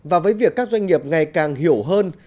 và với việc các doanh nghiệp ngày càng hiểu hơn